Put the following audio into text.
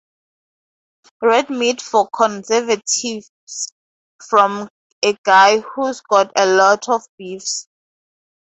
Red Meat for Conservatives from a Guy Who's Got a Lot of Beefs.